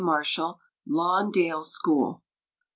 MARSHALL, Lawndale School.